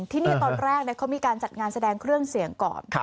ที่นี่ตอนแรกเขามีการจัดงานแสดงเครื่องเสี่ยงก่อน